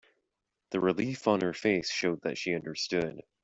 The relief on her face showed that she understood.